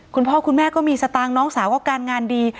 คุณพ่อคุณแม่ก็มีสตางค์น้องสาวก็การงานดี